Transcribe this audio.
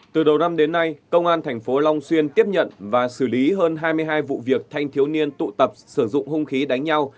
từ đầu năm đến nay công an tp long xuyên tiếp nhận và xử lý hơn hai mươi hai vụ việc thanh thiếu niên tụ tập sử dụng hung khí đánh nhau